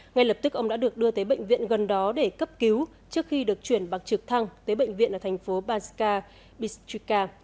ngay lập tức ông đã được đưa tới bệnh viện gần đó để cấp cứu trước khi được chuyển bằng trực thăng tới bệnh viện ở thành phố banska bistrika